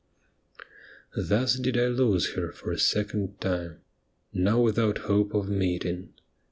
Thus did I lose her for a second time, Now without hope of meeting.